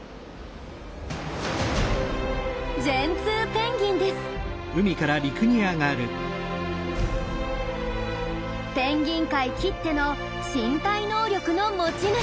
ペンギン界きっての身体能力の持ち主。